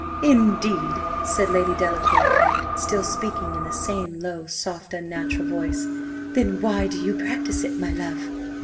"Indeed!" said Lady Delacour, still speaking in the same low, soft, unnatural voice: "then why do you practise it, my love?"